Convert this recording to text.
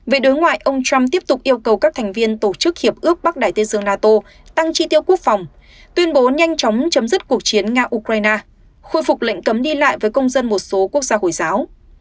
về đối ngoại ông trump tiếp tục yêu cầu các thành viên tổ chức hiệp ước bắc đại tây dương nato tăng tri tiêu quốc phòng tuyên bố nhanh chóng chấm dứt cuộc chiến nga ukraine khôi phục lệnh cấm đi lại với công dân một số quốc gia hồi giáo